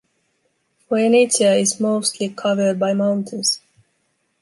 Phoenicia is mostly covered by mountains.